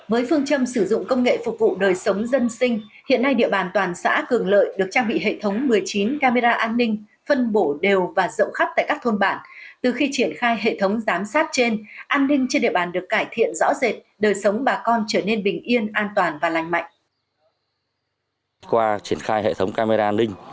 với phương châm sử dụng công nghệ phục vụ đời sống dân sinh hiện nay địa bàn toàn xã cường lợi được trang bị hệ thống một mươi chín camera an ninh